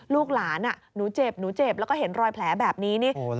ลูกหลานหนูเจ็บหนูเจ็บแล้วก็เห็นรอยแผลแบบนี้นี่